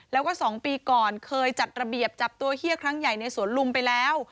แล้วก็๒ปีก่อนเคยจัดระเบียบจับตัวเฮียครั้งใหญ่ในสวนลุมไปแล้ว